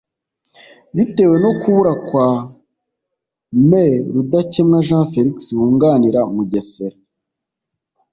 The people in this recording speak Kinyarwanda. bitewe no kubura kwa Me Rudakemwa Jean Felix wunganira Mugesera